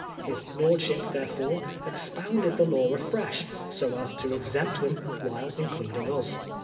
His lordship, therefore, expounded the law afresh, so as to exempt them while including us.